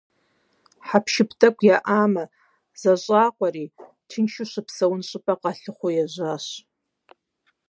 Хьэпшып тӀэкӀу яӀэӀамэ, зэщӀакъуэри, тыншу щыпсэун щӀыпӀэ къалъыхъуэу ежьащ.